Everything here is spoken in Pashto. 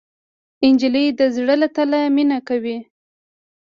نجلۍ د زړه له تله مینه کوي.